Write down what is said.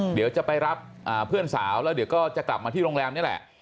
เดี๋ยวจะไปรับเพื่อนสาวแล้วเดี๋ยวก็จะกลับมาที่โรงแรมนี่แหละ